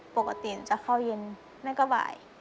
ปกติจะเข้าเย็นนั่นก็บ่าย